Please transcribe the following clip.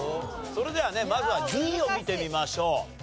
それではねまずはＤを見てみましょう。